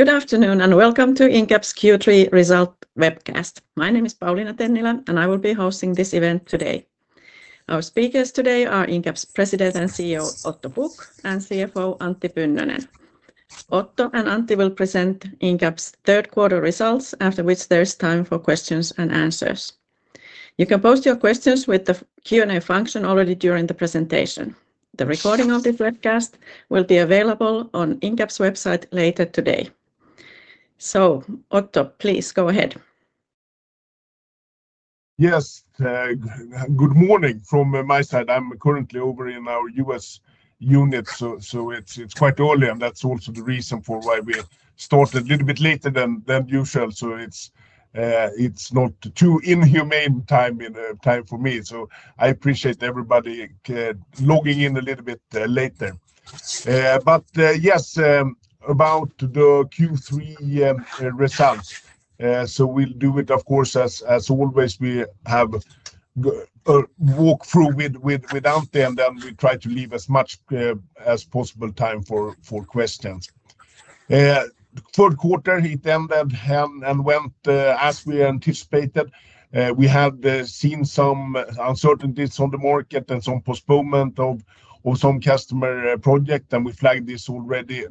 Good afternoon and welcome to Incap's Q3 Results webcast. My name is Pauliina Tennilä and I will be hosting this event today. Our speakers today are Incap's President and CEO, Otto Pukk, and CFO, Antti Pynnönen. Otto and Antti will present Incap's third quarter results, after which there is time for questions and answers. You can post your questions with the Q&A function already during the presentation. The recording of this webcast will be available on Incap's website later today. Otto, please go ahead. Yes, good morning from my side. I'm currently over in our US unit, so it's quite early, and that's also the reason for why we started a little bit later than usual. It's not too inhumane time for me, so I appreciate everybody logging in a little bit later. About the Q3 results, we'll do it, of course, as always. We have a walkthrough with Antti, and then we try to leave as much as possible time for questions. The third quarter ended and went as we anticipated. We had seen some uncertainties on the market and some postponement of some customer projects, and we flagged this already.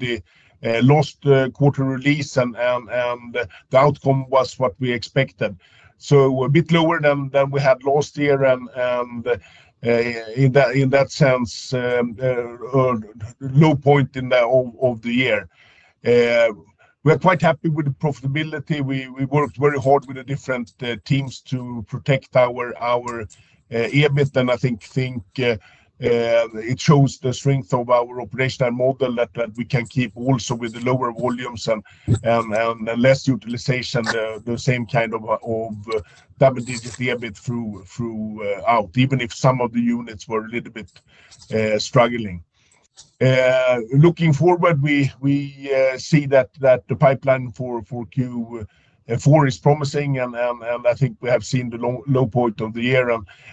We lost the quarter release, and the outcome was what we expected. A bit lower than we had last year, and in that sense, a low point in the year. We're quite happy with the profitability. We worked very hard with the different teams to protect our EBIT, and I think it shows the strength of our operational model that we can keep also with the lower volumes and less utilization, the same kind of double-digit EBIT throughout, even if some of the units were a little bit struggling. Looking forward, we see that the pipeline for Q4 is promising, and I think we have seen the low point of the year.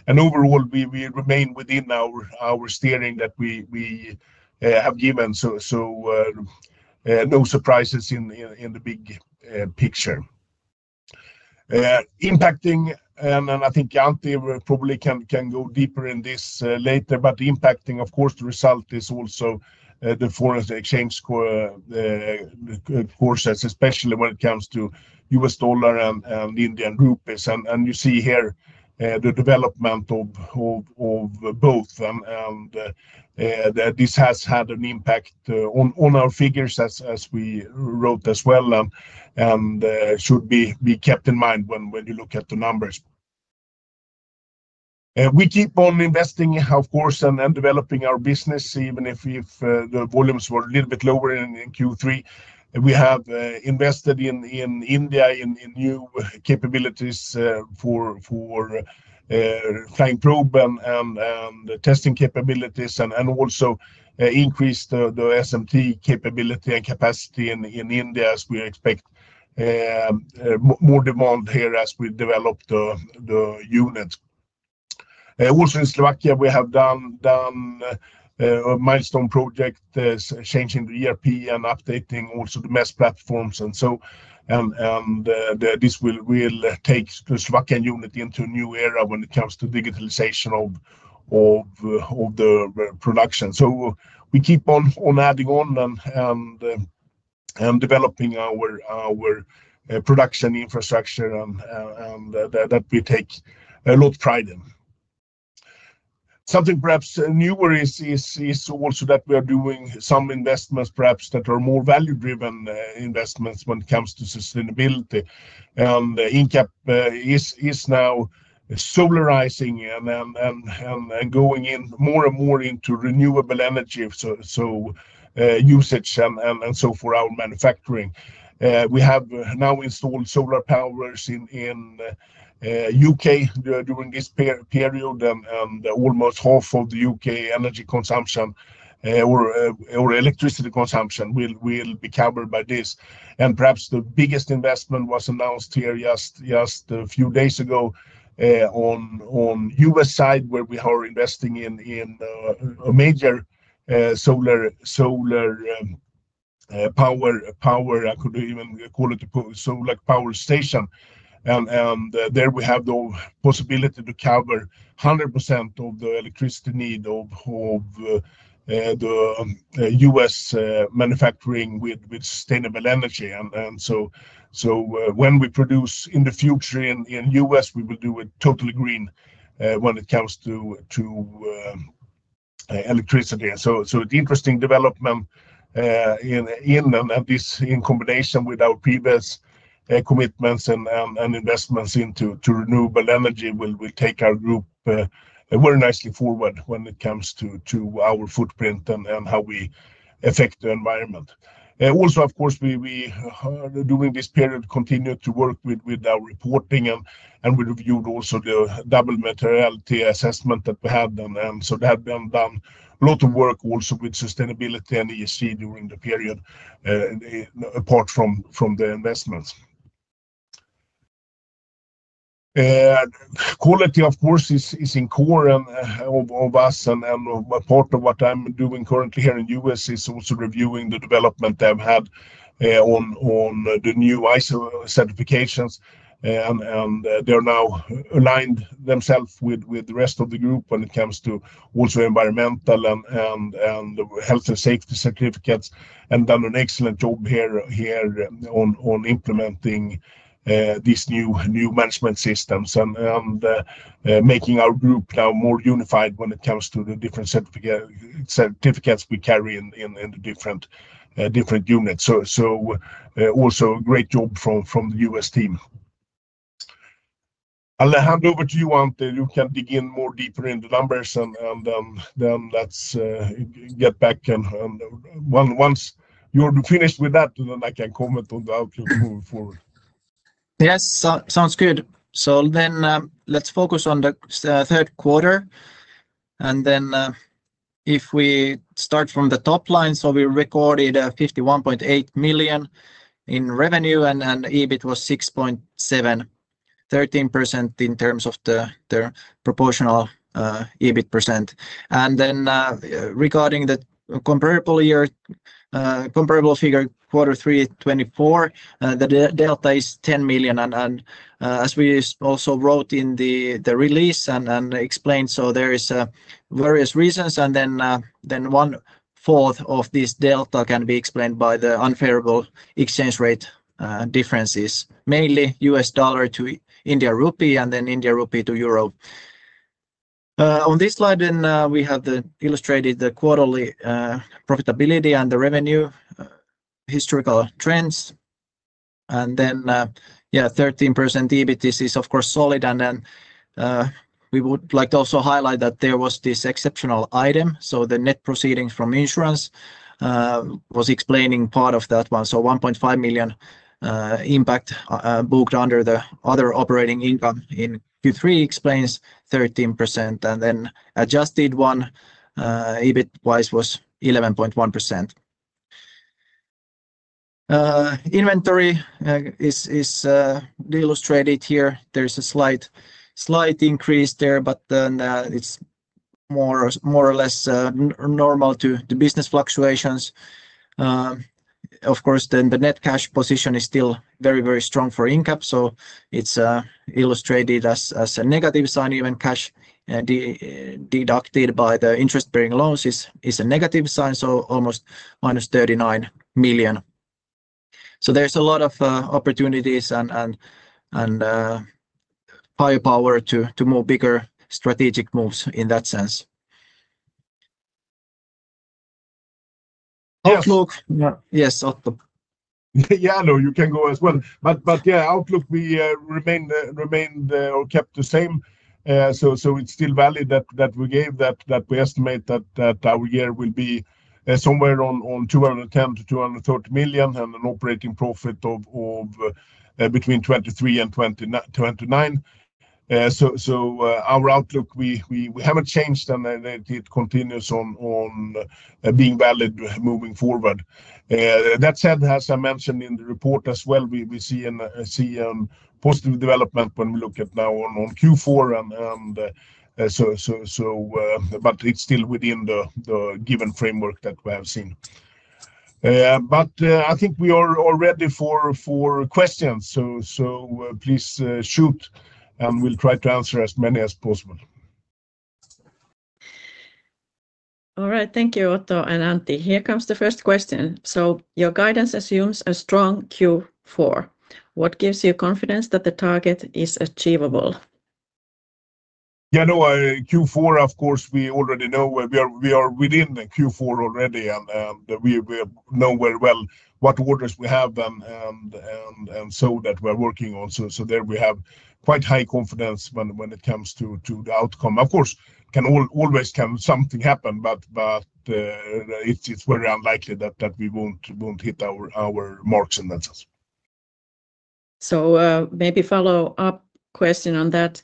Overall, we remain within our steering that we have given, so no surprises in the big picture. Impacting, and I think Antti probably can go deeper in this later, but impacting, of course, the result is also the foreign exchange core sources, especially when it comes to U.S. dollar and Indian rupees. You see here the development of both, and this has had an impact on our figures, as we wrote as well, and should be kept in mind when you look at the numbers. We keep on investing in healthcare and developing our business, even if the volumes were a little bit lower in Q3. We have invested in India in new capabilities for flying probe and testing capabilities, and also increased the SMT capability and capacity in India, as we expect more demand here as we develop the unit. Also in Slovakia, we have done a milestone project changing the ERP and updating also the MES platforms. This will take the Slovakian unit into a new era when it comes to digitalization of the production. We keep on adding on and developing our production infrastructure that we take a lot of pride in. Something perhaps newer is also that we are doing some investments perhaps that are more value-driven investments when it comes to sustainability. Incap is now solarizing and going more and more into renewable energy, so usage and so for our manufacturing. We have now installed solar power in the U.K. during this period, and almost half of the U.K. energy consumption or electricity consumption will be covered by this. Perhaps the biggest investment was announced here just a few days ago on the U.S. side, where we are investing in a major solar power, I could even call it a solar power station. There we have the possibility to cover 100% of the electricity need of the U.S. manufacturing with sustainable energy. When we produce in the future in the U.S., we will do it totally green when it comes to electricity. It's an interesting development, and this in combination with our previous commitments and investments into renewable energy will take our group very nicely forward when it comes to our footprint and how we affect the environment. Also, of course, during this period, we continue to work with our reporting, and we reviewed also the double materiality assessment that we had. We have done a lot of work also with sustainability and ESG during the period, apart from the investments. Quality, of course, is in core of us, and part of what I'm doing currently here in the U.S. is also reviewing the development they've had on the new ISO certifications. They have now aligned themselves with the rest of the group when it comes to also environmental and health and safety certificates, and done an excellent job here on implementing these new management systems and making our group now more unified when it comes to the different certificates we carry in the different units. Also a great job from the U.S. team. I'll hand over to you, Antti. You can dig in more deeper into the numbers, and then let's get back. Once you're finished with that, then I can comment on the outcome forward. Yes, sounds good. Let's focus on the third quarter. If we start from the top line, we recorded 51.8 million in revenue, and EBIT was 6.7 million, 13% in terms of the proportional EBIT percentage. Regarding the comparable figure, quarter 3 2024, the delta is 10 million. As we also wrote in the release and explained, there are various reasons. One fourth of this delta can be explained by the unfavorable exchange rate differences, mainly U.S. dollar to Indian rupee, and then Indian rupee to euro. On this slide, we have illustrated the quarterly profitability and the revenue historical trends. The 13% EBIT is, of course, solid. We would like to also highlight that there was this exceptional item. The net proceedings from insurance was explaining part of that one. The 1.5 million impact booked under the other operating income in Q3 explains the 13%. The adjusted one EBIT-wise was 11.1%. Inventory is illustrated here. There is a slight increase there, but it's more or less normal to the business fluctuations. The net cash position is still very, very strong for Incap. It's illustrated as a negative sign, even cash deducted by the interest-bearing loans is a negative sign. Almost -39 million. There's a lot of opportunities and high power to move bigger strategic moves in that sense. Outlook. Yes, Otto. Yeah, no, you can go as well. Yeah, outlook we remain or kept the same. It's still valid that we gave that we estimate that our year will be somewhere on 210 million-230 million and an operating profit of between 23-29 million. Our outlook we haven't changed, and it continues on being valid moving forward. That said, as I mentioned in the report as well, we see a positive development when we look at now on Q4. It's still within the given framework that we have seen. I think we are ready for questions. Please shoot, and we'll try to answer as many as possible. All right, thank you, Otto and Antti. Here comes the first question. Your guidance assumes a strong Q4. What gives you confidence that the target is achievable? Yeah, no, Q4, of course, we already know where we are within Q4 already, and we know very well what orders we have and that we're working on. There we have quite high confidence when it comes to the outcome. Of course, something can always happen, but it's very unlikely that we won't hit our marks and metas. Maybe a follow-up question on that.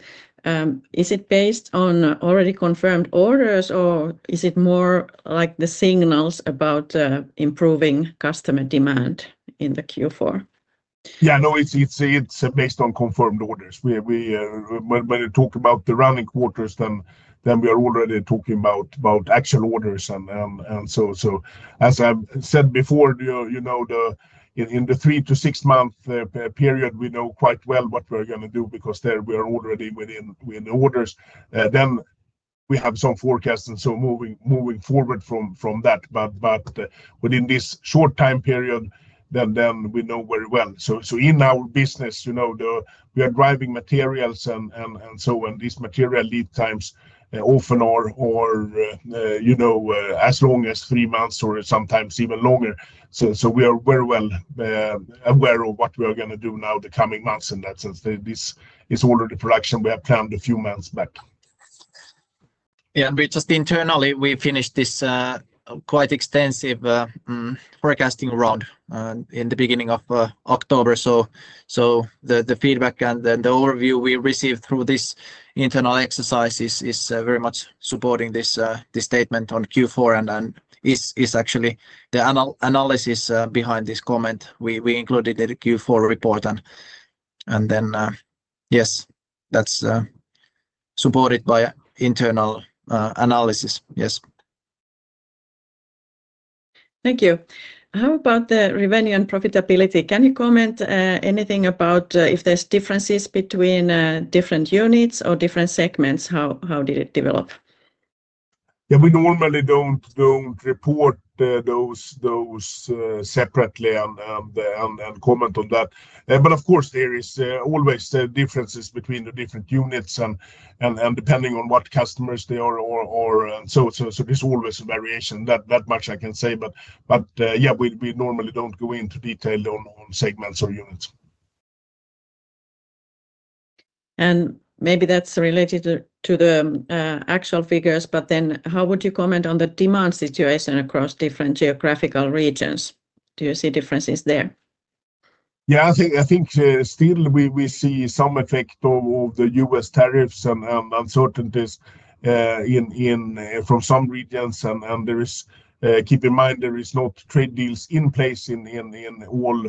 Is it based on already confirmed orders, or is it more like the signals about improving customer demand in Q4? Yeah, no, it's based on confirmed orders. When we talk about the running quarters, we are already talking about actual orders. As I've said before, in the three to six-month period, we know quite well what we're going to do because there we are already within the orders. We have some forecasts and moving forward from that. Within this short time period, we know very well. In our business, we are driving materials, and when these material lead times often are as long as three months or sometimes even longer, we are very well aware of what we are going to do now the coming months in that sense. This is already production we have planned a few months back. Yeah, we just internally finished this quite extensive forecasting run in the beginning of October. The feedback and the overview we received through this internal exercise is very much supporting this statement on Q4 and is actually the analysis behind this comment we included in the Q4 report. Yes, that's supported by internal analysis. Yes. Thank you. How about the revenue and profitability? Can you comment anything about if there's differences between different units or different segments? How did it develop? Yeah, we normally don't report those separately and comment on that. Of course, there are always differences between the different units, depending on what customers they are, and so on. There's always a variation, that much I can say. We normally don't go into detail on segments or units. Maybe that's related to the actual figures, but how would you comment on the demand situation across different geographical regions? Do you see differences there? Yeah, I think still we see some effect of the U.S. tariffs and uncertainties from some regions. Keep in mind, there are not trade deals in place in all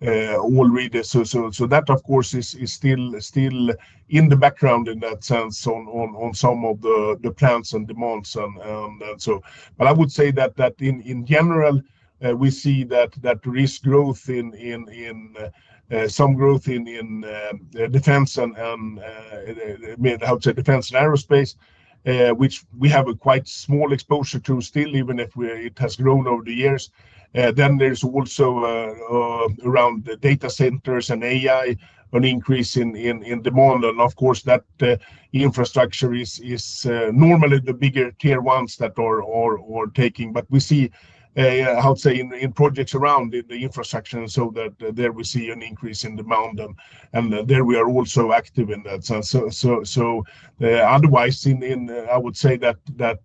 regions. That, of course, is still in the background in that sense on some of the plans and demands. I would say that in general, we see that there is growth in defense and how to defense and aerospace, which we have a quite small exposure to still, even if it has grown over the years. There's also around data centers and AI, an increase in demand. Of course, that infrastructure is normally the bigger tier ones that are taking. We see, I would say, in projects around the infrastructure, that there we see an increase in demand. There we are also active in that sense. Otherwise, I would say that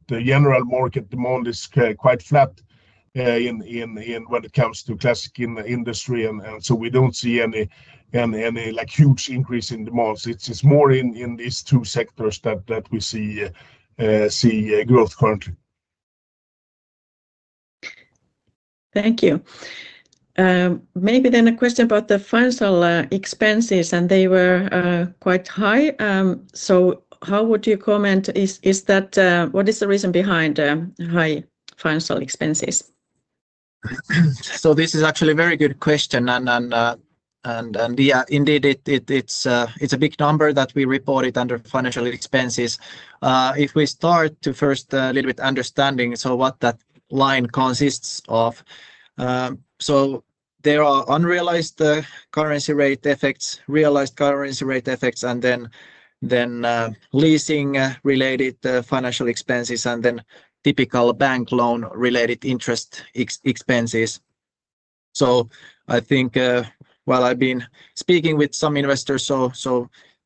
the general market demand is quite flat when it comes to classic industry. We don't see any huge increase in demand. It's more in these two sectors that we see growth currently. Thank you. Maybe then a question about the financial expenses, they were quite high. How would you comment? What is the reason behind the high financial expenses? This is actually a very good question. Indeed, it's a big number that we reported under financial expenses. If we start to first a little bit understanding what that line consists of, there are unrealized currency rate effects, realized currency rate effects, leasing-related financial expenses, and typical bank loan-related interest expenses. I think while I've been speaking with some investors,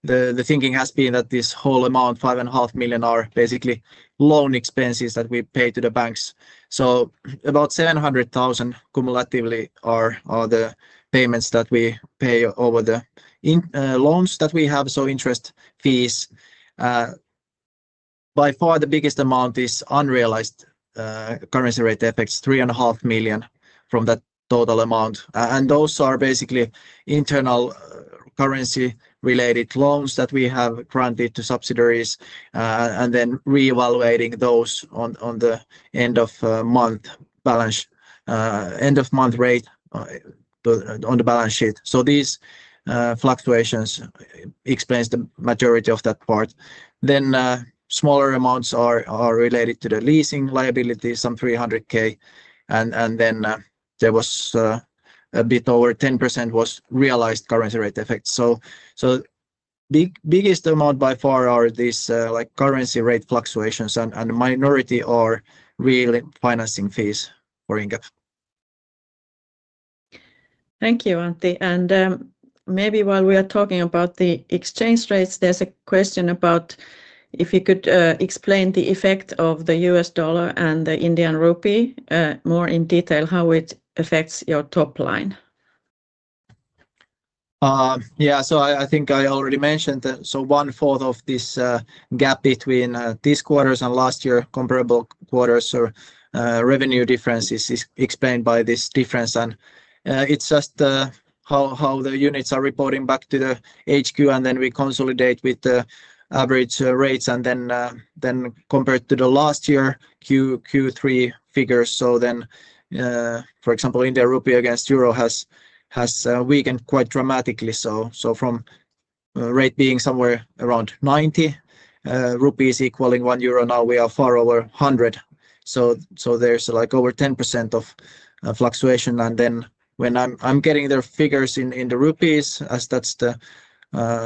the thinking has been that this whole amount, 5.5 million, are basically loan expenses that we pay to the banks. About 700,000 cumulatively are the payments that we pay over the loans that we have, so interest fees. By far, the biggest amount is unrealized currency rate effects, 3.5 million from that total amount. Those are basically internal currency-related loans that we have granted to subsidiaries, and then reevaluating those on the end of month balance, end of month rate on the balance sheet. These fluctuations explain the majority of that part. Smaller amounts are related to the leasing liabilities, some 300,000. There was a bit over 10% realized currency rate effects. The biggest amount by far are these currency rate fluctuations, and the minority are real financing fees for Incap. Thank you, Antti. Maybe while we are talking about the exchange rates, there's a question about if you could explain the effect of the U.S. dollar and the Indian rupee more in detail, how it affects your top line. Yeah, I think I already mentioned that, so one fourth of this gap between these quarters and last year comparable quarters or revenue differences is explained by this difference. It's just how the units are reporting back to the HQ, and then we consolidate with the average rates. Compared to the last year Q3 figures, for example, the India rupee against euro has weakened quite dramatically. From the rate being somewhere around 90 rupees equaling one euro, now we are far over 100. There's like over 10% of fluctuation. When I'm getting the figures in the rupees, as that's the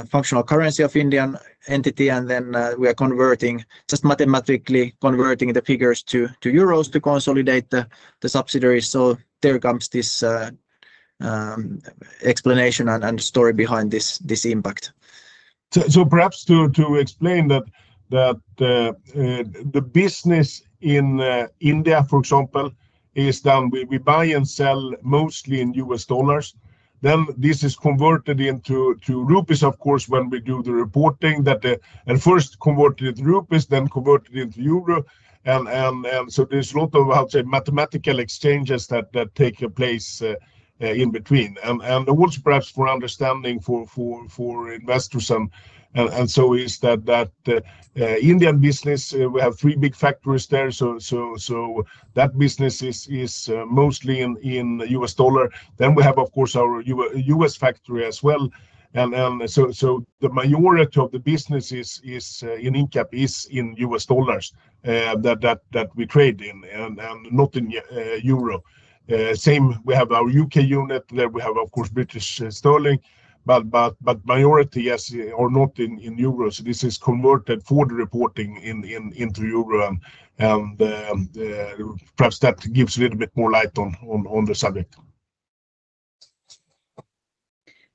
functional currency of the Indian entity, and then we are converting, just mathematically converting the figures to euros to consolidate the subsidiaries. There comes this explanation and story behind this impact. Perhaps to explain that the business in India, for example, is done, we buy and sell mostly in U.S. dollars. This is converted into rupees, of course, when we do the reporting. At first, converted into rupees, then converted into euro. There's a lot of, I would say, mathematical exchanges that take place in between. Also, perhaps for understanding for investors, that Indian business, we have three big factories there. That business is mostly in U.S. dollars. We have, of course, our U.S. factory as well. The majority of the business in Incap is in U.S. dollars that we trade in and not in euro. We have our U.K. unit where we have, of course, British sterling. The majority, yes, are not in euros. This is converted for the reporting into euro. Perhaps that gives a little bit more light on the subject.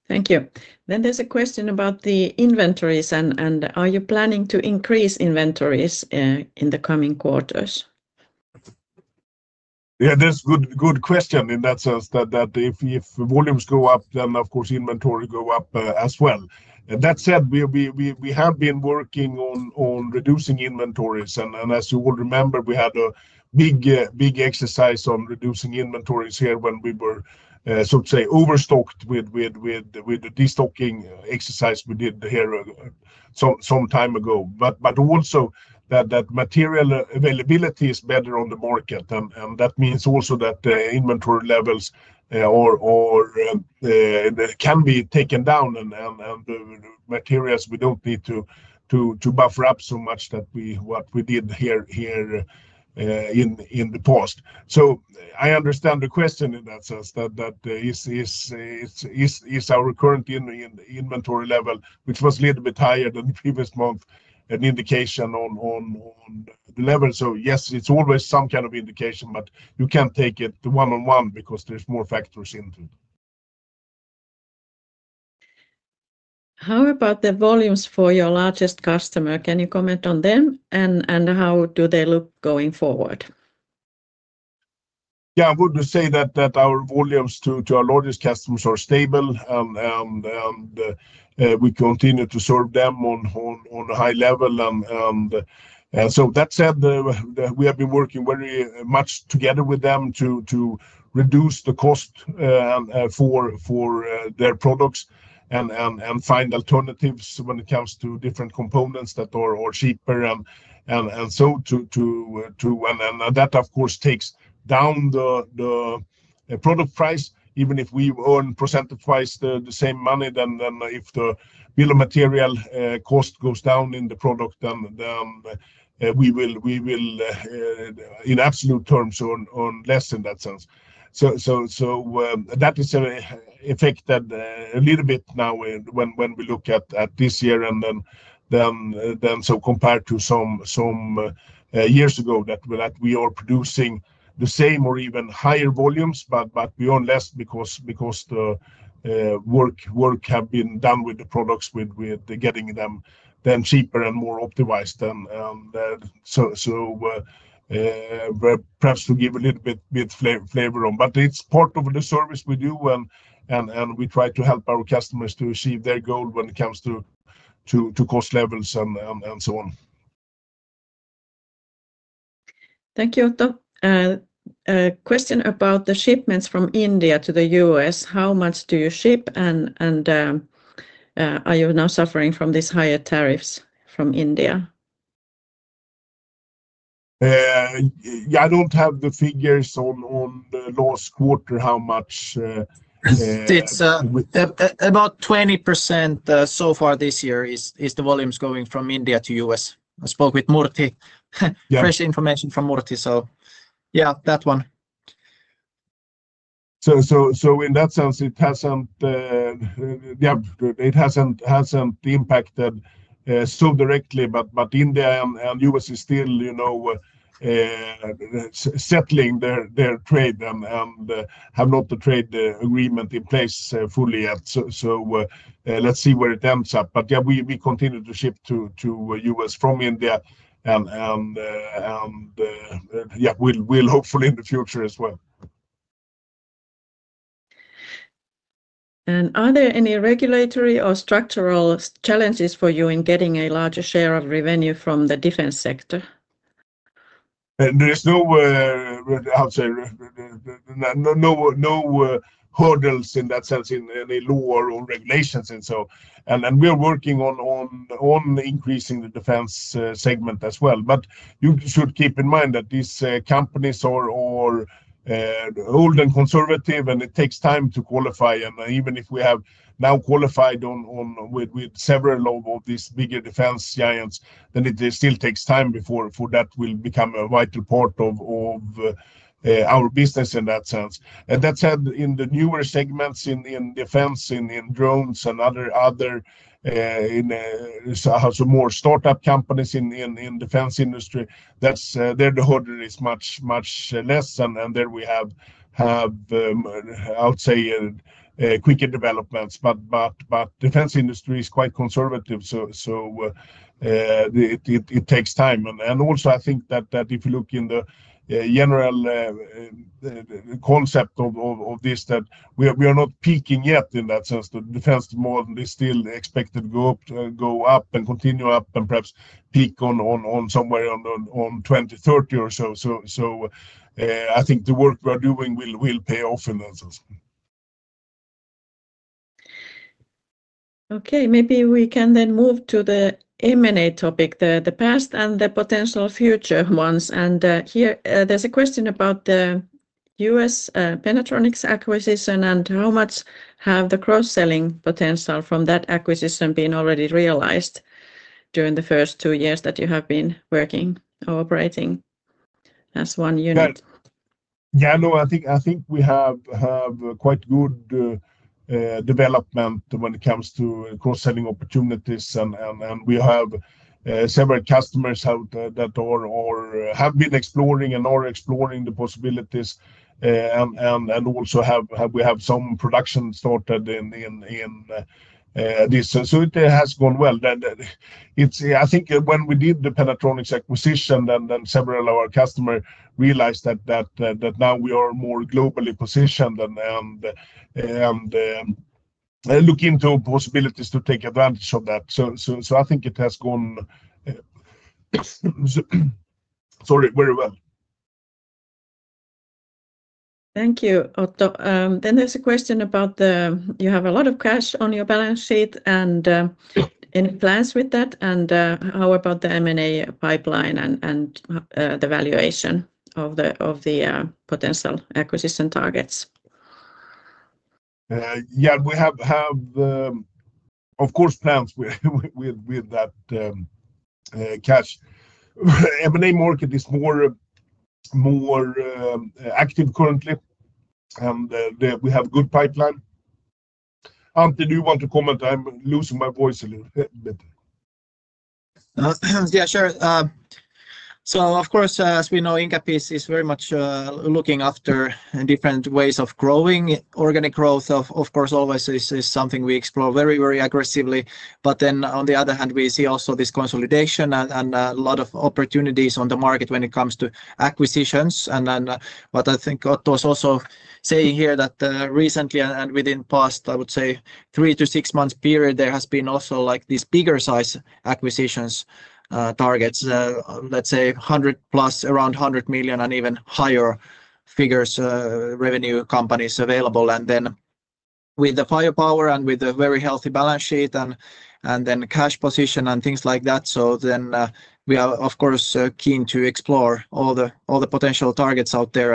Thank you. There is a question about the inventories. Are you planning to increase inventories in the coming quarters? Yeah, that's a good question in that sense that if volumes go up, then, of course, inventory goes up as well. That said, we have been working on reducing inventories. As you all remember, we had a big, big exercise on reducing inventories here when we were, so to say, overstocked with the destocking exercise we did here some time ago. Also, material availability is better on the market. That means the inventory levels can be taken down and materials we don't need to buffer up so much like we did here in the past. I understand the question in that sense that is our current inventory level, which was a little bit higher than the previous month, an indication on levels. Yes, it's always some kind of indication, but you can't take it one-on-one because there's more factors into it. How about the volumes for your largest customer? Can you comment on them? How do they look going forward? Yeah, I would say that our volumes to our largest customers are stable, and we continue to serve them on a high level. That said, we have been working very much together with them to reduce the cost for their products and find alternatives when it comes to different components that are cheaper. That, of course, takes down the product price. Even if we earn percentage wise the same money, if the bill of material cost goes down in the product, then we will, in absolute terms, earn less in that sense. That is affected a little bit now when we look at this year. Compared to some years ago, we are producing the same or even higher volumes, but we earn less because the work has been done with the products, with getting them cheaper and more optimized. Perhaps to give a little bit flavor on that, it's part of the service we do, and we try to help our customers to achieve their goal when it comes to cost levels and so on. Thank you, Otto. Question about the shipments from India to the U.S. How much do you ship, and are you now suffering from these higher tariffs from India? Yeah, I don't have the figures on the last quarter, how much. It's about 20% so far this year is the volumes going from India to the U.S. I spoke with Murthy. Fresh information from Murthy. Yeah, that one. In that sense, it hasn't impacted so directly, but India and U.S. are still settling their trade and have not the trade agreement in place fully yet. Let's see where it ends up. We continue to ship to U.S. from India, and we'll hopefully in the future as well. Are there any regulatory or structural challenges for you in getting a larger share of revenue from the defense sector? There's no, I would say, no hurdles in that sense in any law or regulations. We're working on increasing the defense segment as well. You should keep in mind that these companies are old and conservative, and it takes time to qualify. Even if we have now qualified with several of these bigger defense giants, it still takes time before that will become a vital part of our business in that sense. That said, in the newer segments in defense, in drones and other, so more startup companies in the defense industry, there the hurdle is much, much less. There we have, I would say, quicker developments. Defense industry is quite conservative, so it takes time. I think that if you look in the general concept of this, we are not peaking yet in that sense. The defense model is still expected to go up and continue up and perhaps peak on somewhere on 2030 or so. I think the work we're doing will pay off in that sense. Okay, maybe we can then move to the M&A topic, the past and the potential future ones. There's a question about the U.S. Pennatronics acquisition and how much have the cross-selling potential from that acquisition been already realized during the first two years that you have been working or operating as one unit? Yeah, no, I think we have quite good development when it comes to cross-selling opportunities. We have several customers out there that have been exploring and are exploring the possibilities. We have some production started in this, so it has gone well. I think when we did the Pennatronics acquisition, several of our customers realized that now we are more globally positioned and look into possibilities to take advantage of that. I think it has gone very well. Thank you, Otto. There is a question about the, you have a lot of cash on your balance sheet and plans with that. How about the M&A pipeline and the valuation of the potential acquisition targets? Yeah, we have, of course, plans with that cash. M&A market is more active currently, and we have a good pipeline. Antti, do you want to comment? I'm losing my voice a little bit. Yeah, sure. Of course, as we know, Incap is very much looking after different ways of growing. Organic growth, of course, always is something we explore very, very aggressively. On the other hand, we see also this consolidation and a lot of opportunities on the market when it comes to acquisitions. What I think Otto is also saying here is that recently and within the past, I would say, 3-6 months period, there have been also these bigger size acquisition targets, let's say 100+ million, around 100 million and even higher figures revenue companies available. With the firepower and with a very healthy balance sheet and cash position and things like that, we are, of course, keen to explore all the potential targets out there.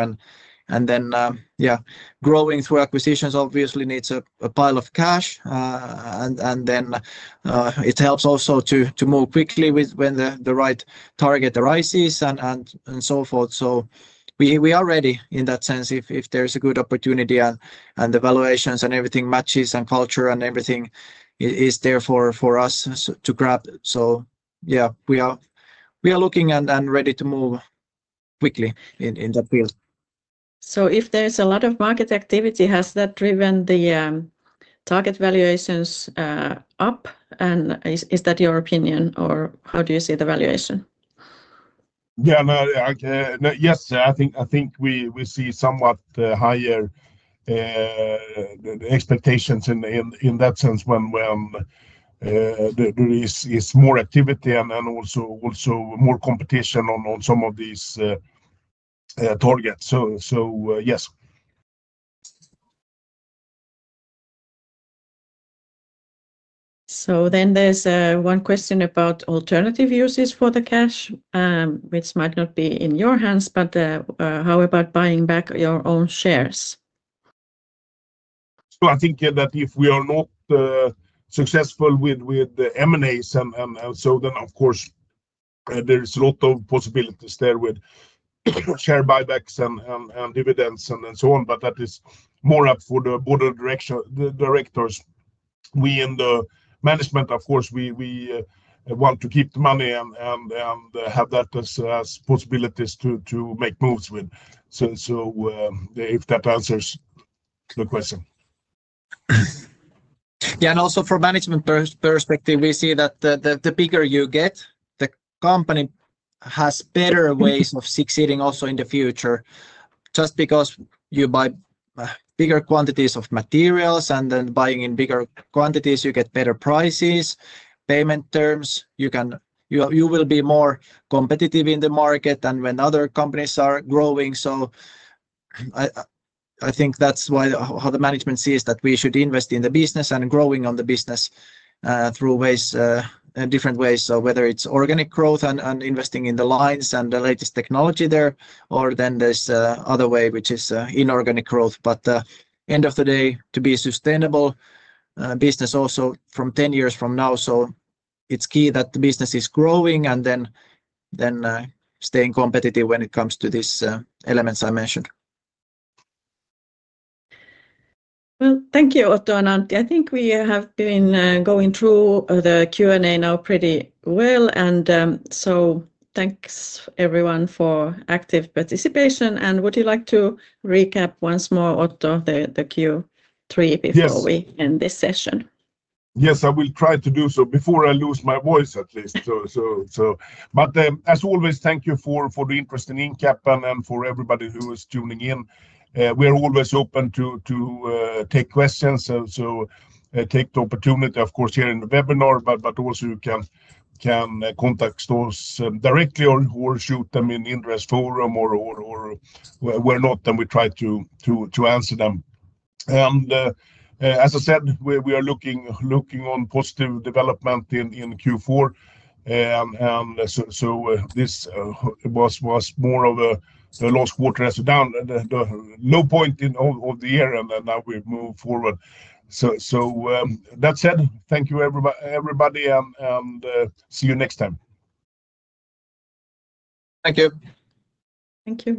Growing through acquisitions obviously needs a pile of cash. It helps also to move quickly when the right target arises and so forth. We are ready in that sense if there's a good opportunity and the valuations and everything matches and culture and everything is there for us to grab. We are looking and ready to move quickly in that field. If there's a lot of market activity, has that driven the target valuations up? Is that your opinion or how do you see the valuation? Yes, I think we see somewhat higher expectations in that sense when there is more activity and also more competition on some of these targets. Yes. There is one question about alternative uses for the cash, which might not be in your hands, but how about buying back your own shares? I think that if we are not successful with the M&A pipeline, of course, there's a lot of possibilities there with share buybacks and dividends and so on. That is more up for the Board of Directors. We in the management, of course, want to keep the money and have that as possibilities to make moves with. If that answers the question. Yeah, and also from a management perspective, we see that the bigger you get, the company has better ways of succeeding also in the future. Just because you buy bigger quantities of materials, and then buying in bigger quantities, you get better prices, payment terms. You will be more competitive in the market when other companies are growing. I think that's why how the management sees that we should invest in the business and growing on the business through ways, different ways. Whether it's organic growth and investing in the lines and the latest technology there, or then there's another way, which is inorganic growth. At the end of the day, to be a sustainable business also from 10 years from now, it's key that the business is growing and then staying competitive when it comes to these elements I mentioned. Thank you, Otto and Antti. I think we have been going through the Q&A now pretty well. Thanks everyone for active participation. Would you like to recap once more, Otto, the Q3 before we end this session? Yes, I will try to do so before I lose my voice at least. As always, thank you for the interest in Incap and for everybody who is tuning in. We are always open to take questions. Take the opportunity, of course, here in the webinar, but also you can contact us directly or shoot them in the interest forum or whether not we try to answer them. As I said, we are looking on positive development in Q4. This was more of a last quarter as a down, the low point in all of the year, and now we've moved forward. That said, thank you everybody, and see you next time. Thank you. Thank you.